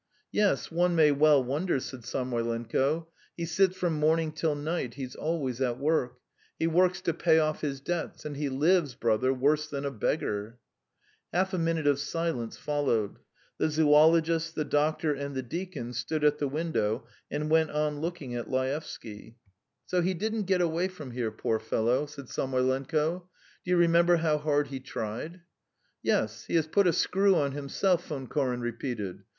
"Yes, one may well wonder," said Samoylenko. "He sits from morning till night, he's always at work. He works to pay off his debts. And he lives, brother, worse than a beggar!" Half a minute of silence followed. The zoologist, the doctor, and the deacon stood at the window and went on looking at Laevsky. "So he didn't get away from here, poor fellow," said Samoylenko. "Do you remember how hard he tried?" "Yes, he has put a screw on himself," Von Koren repeated.